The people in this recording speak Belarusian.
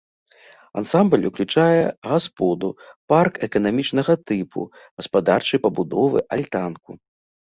Ансамбль уключае гасподу, парк эканамічнага тыпу, гаспадарчыя пабудовы, альтанку.